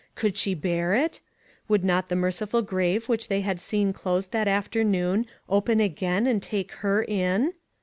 Could she bear it? Would not the merciful grave which they had seen closed that afternoon open again and take her in